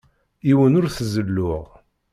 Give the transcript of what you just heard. Yiwen ur t-zelluɣ.